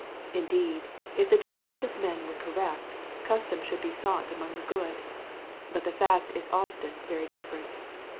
Indeed, if the judgments of men were correct, custom should be sought among the good. But the fact is often very different.